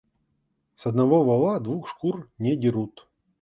С одного вола двух шкур не дерут.